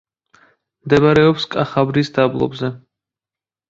მდებარეობს კახაბრის დაბლობზე.